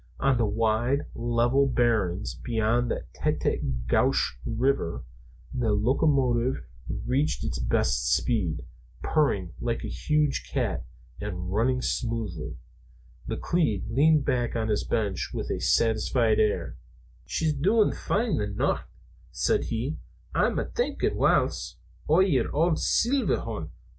On the wide level barrens beyond the Tête á Gouche River the locomotive reached its best speed, purring like a huge cat and running smoothly. McLeod leaned back on his bench with a satisfied air. "She's doin' fine, the nicht," said he. "Ah'm thinkin', whiles, o' yer auld Seelverhorrns.